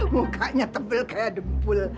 mukanya tebel kayak dempul